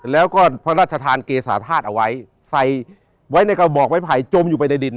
แล้วก็พระราชทานเกษาธาตุเอาไว้ใส่ไว้ในกระบอกไม้ไผ่จมอยู่ไปในดิน